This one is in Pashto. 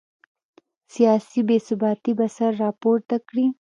سیاسي بې ثباتي به سر راپورته کړي.